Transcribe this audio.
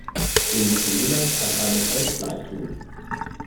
Venezuela kann einem echt leid tun.